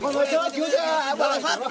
mọi người chứa chứa em bỏ lại phát